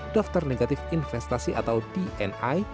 daftar negatif investasi atau dni